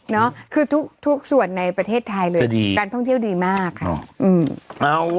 คือทุกส่วนในประเทศไทยเลยดีการท่องเที่ยวดีมากค่ะ